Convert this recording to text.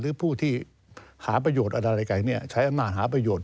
หรือผู้ที่หาประโยชน์อะไรกันใช้อำนาจหาประโยชน